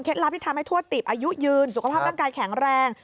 เคล็ดลับที่ทำให้ทั่วตีบอายุยืนสุขภาพการกายแข็งแรง